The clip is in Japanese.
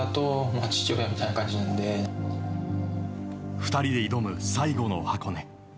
２人で挑む最後の箱根。